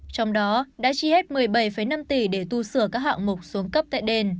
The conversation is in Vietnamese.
trong đó đã chi hết một mươi bảy năm tỷ để tu sửa các hạng mục xuống cấp tại đền